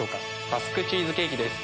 バスクチーズケーキです。